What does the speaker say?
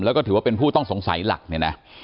แล้วก็ถือว่าเป็นผู้ต้องสงสัยหลักเนี่ยนะ